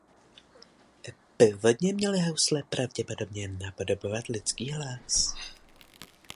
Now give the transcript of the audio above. Původně měly housle pravděpodobně napodobovat lidský hlas.